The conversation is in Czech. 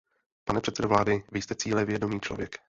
Pane předsedo vlády, vy jste cílevědomý člověk.